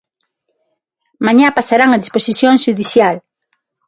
Mañá pasarán a disposición xudicial.